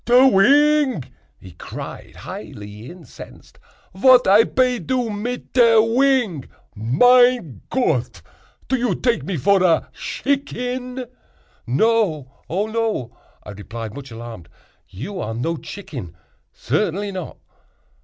"Te wing!" he cried, highly incensed, "vat I pe do mit te wing? Mein Gott! do you take me vor a shicken?" "No—oh no!" I replied, much alarmed, "you are no chicken—certainly not."